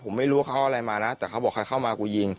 ผมไม่รู้ว่าเขาเอาอะไรมานะแต่เขาบอกใครเข้ามากูยิง